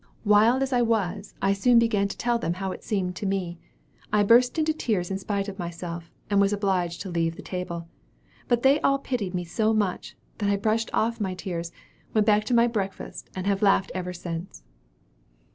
Wild as I was, as soon as I began to tell them how it seemed to me, I burst into tears in spite of myself, and was obliged to leave the table. But they all pitied me so much, that I brushed off my tears, went back to my breakfast, and have laughed ever since."